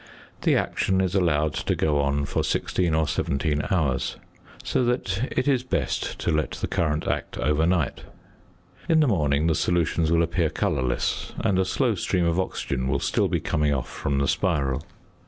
The action is allowed to go on for sixteen or seventeen hours, so that it is best to let the current act overnight. In the morning the solutions will appear colourless, and a slow stream of oxygen will still be coming off from the spiral.